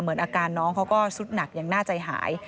เหมือนอาการน้องค่ะก็สุดหนักงังน่าใจหาย